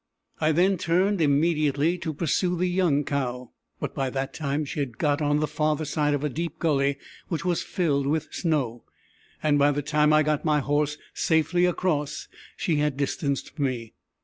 I then turned immediately to pursue the young cow, but by that time she had got on the farther side of a deep gully which was filled with snow, and by the time I got my horse safely across she had distanced me.